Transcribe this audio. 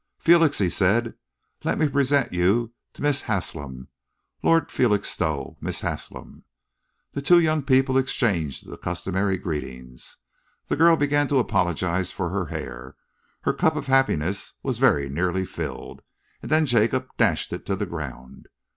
"Felix," he said, "let me present you to Miss Haslem. Lord Felixstowe Miss Haslem." The two young people exchanged the customary greetings. The girl began to apologise for her hair. Her cup of happiness was very nearly filled. And then Jacob dashed it to the ground.